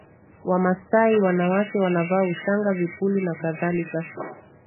Wamasai wanawake wanavaa ushanga vipuli nakadhalika